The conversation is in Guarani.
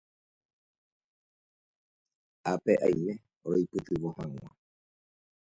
ápe aime roipytyvõ hag̃ua